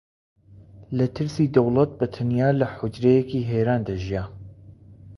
لە ترسی دەوڵەت بە تەنیا لە حوجرەیەکی هیران دەژیا